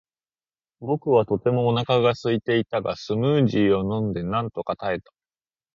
僕はとてもお腹がすいていたが、スムージーを飲んでなんとか耐えた。